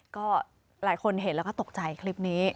ก็หลายคนเห็นแล้วก็ตกใจคลิปนี้